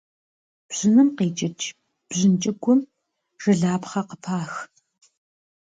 Бжьыным къикӏыкӏ бжьын кӏыгум жылапхъэ къыпах.